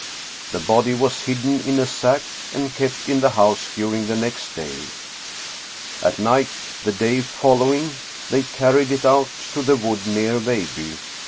The body was hidden in a sack and kept in the house during the next day. At night the day following, they carried it out to the wood near Veilbye.